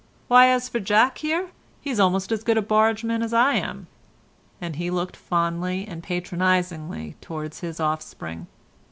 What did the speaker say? Why, as for Jack here, he's almost as good a bargeman as I am." And he looked fondly and patronisingly towards his offspring.